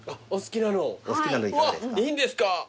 お好きなのいかがですか？